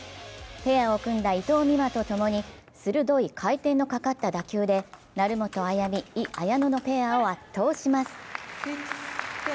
ペアを組んだ伊藤美誠と共に鋭い回転のかかった打球で成本綾海、井絢乃のペアを圧倒します。